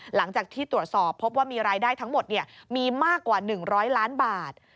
หลังจากที่ตรวจสอบพบว่ามีรายได้ทั้งหมดมีมากกว่า๑๐๐ล้านบาท